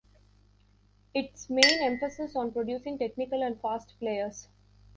Its main emphasis on producing technical and fast players.